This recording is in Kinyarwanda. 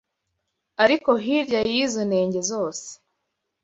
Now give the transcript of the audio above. ariko hirya y’izo nenge zose,